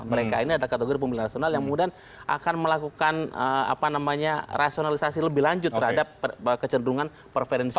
mereka ini ada kategori pemilih rasional yang mudah akan melakukan apa namanya rasionalisasi lebih lanjut terhadap kecenderungan preferensi dia